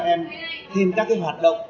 và giúp cho các em thêm các hoạt động